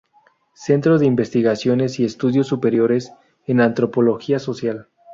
Centro de Investigaciones y Estudios Superiores en Antropología Social.